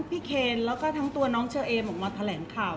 เพราะว่าสิ่งเหล่านี้มันเป็นสิ่งที่ไม่มีพยาน